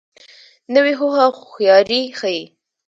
نوې هوښه هوښیاري ښیي